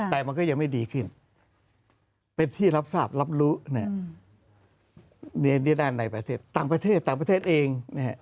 แต่มันก็ยังไม่ดีขึ้นเป็นที่รับทราบรับรู้ด้านในประเทศต่างประเทศต่างประเทศเอง